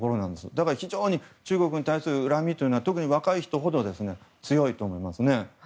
だから非常に中国に対する恨みは特に若い人ほど強いと思います。